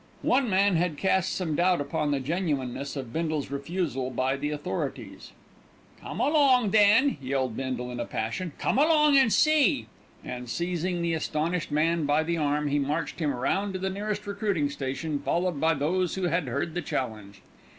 One man had cast some doubt upon the genuineness of Bindle's refusal by the authorities. "Come along, then," yelled Bindle in a passion; "come along an' see." And seizing the astonished man by the arm he marched him round to the nearest recruiting station, followed by those who had heard the challenge.